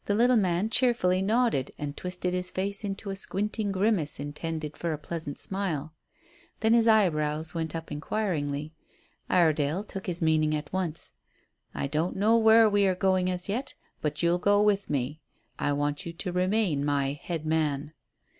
The little man cheerfully nodded, and twisted his face into a squinting grimace intended for a pleasant smile. Then his eyebrows went up inquiringly. Iredale took his meaning at once. "I don't know where we are going as yet. But you'll go with me. I want you to remain my 'head man.'"